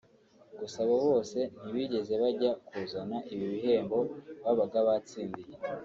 Gusa aba bose ntibigeze bajya kuzana ibi bihembo babaga batsindiye